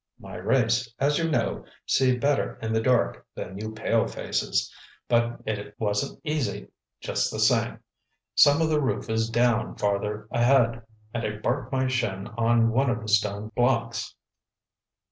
"My race, as you know, see better in the dark than you pale faces. But it wasn't easy, just the same. Some of the roof is down farther ahead, and I barked my shin on one of the stone blocks.